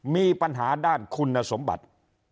มีปัญหาด้านคุณสมบัติ